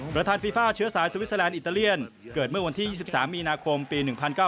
ประธานฟีฟ้าเชื้อสายสวิสเซอลันด์อิตาเลียนเกิดเมื่อวันที่๒๓มีนาคมปี๑๙๗๐